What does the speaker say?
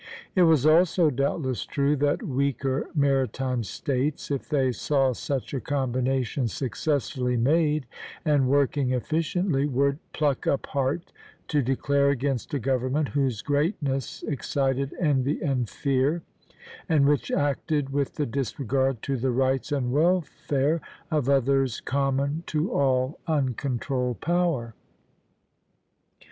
It was also doubtless true that weaker maritime States, if they saw such a combination successfully made and working efficiently, would pluck up heart to declare against a government whose greatness excited envy and fear, and which acted with the disregard to the rights and welfare of others common to all uncontrolled power.